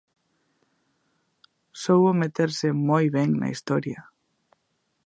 Soubo meterse moi ben na historia.